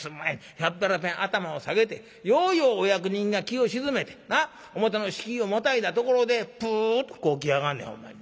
ひゃっぺらぺん頭を下げてようようお役人が気を静めて表の敷居をまたいだところでプとこうきやがんねんほんまに。